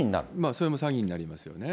それも詐欺になりますよね。